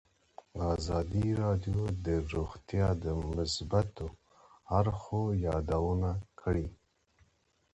ازادي راډیو د روغتیا د مثبتو اړخونو یادونه کړې.